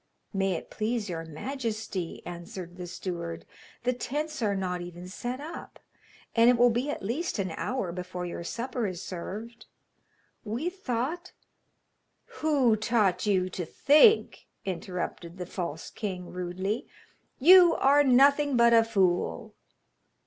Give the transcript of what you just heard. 'May it please your majesty,' answered the steward, 'the tents are not even set up, and it will be at least an hour before your supper is served! We thought ' 'Who taught you to think?' interrupted the false king rudely. 'You are nothing but a fool!